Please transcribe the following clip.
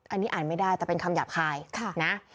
อันนี้อ่านไม่ได้แต่เป็นคำหยาบคายนะ